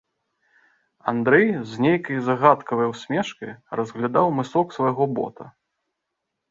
Андрэй з нейкай загадкавай усмешкай разглядаў мысок свайго бота.